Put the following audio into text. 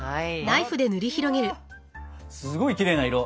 ふわっすごいきれいな色！